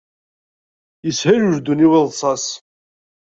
Yeshel uldun i uḍsas.